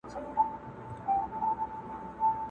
په کښتیو په جالو کي سپرېدلې!!